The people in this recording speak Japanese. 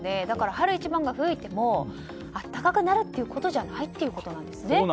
だから春一番が吹いても暖かくなるということじゃないということなんですね。